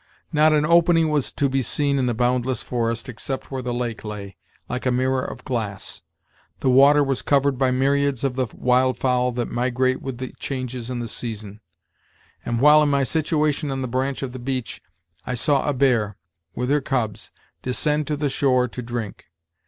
Not an opening was to be seen in the boundless forest except where the lake lay, like a mirror of glass. The water was covered by myriads of the wild fowl that migrate with the changes in the season; and while in my situation on the branch of the beech, I saw a bear, with her cubs, descend to the shore to drink.